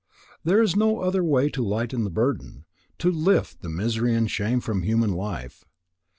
There is no other way to lighten the burden, to lift the misery and shame from human life.